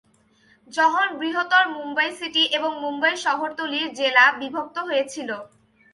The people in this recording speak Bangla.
যখন বৃহত্তর মুম্বই সিটি এবং মুম্বই শহরতলির জেলা বিভক্ত হয়েছিল।